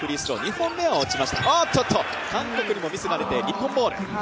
韓国にもミスが出て日本ボール。